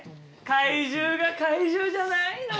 怪獣が怪獣じゃないの。